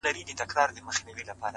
نیک کردار تر نوم مخکې ځلېږي